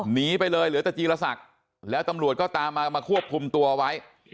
หนีไปเลยเหลือแต่จีรศักดิ์แล้วตำรวจก็ตามมามาควบคุมตัวไว้